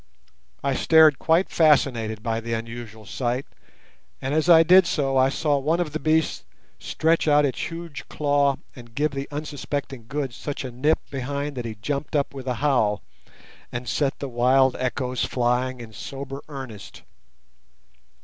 I stared quite fascinated by the unusual sight, and as I did so I saw one of the beasts stretch out its huge claw and give the unsuspecting Good such a nip behind that he jumped up with a howl, and set the "wild echoes flying" in sober earnest.